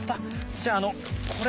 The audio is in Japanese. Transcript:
じゃああのこれ。